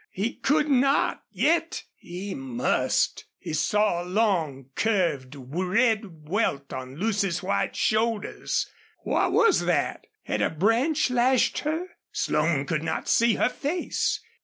He could not, yet he must! He saw a long, curved, red welt on Lucy's white shoulders. What was that? Had a branch lashed her? Slone could not see her face.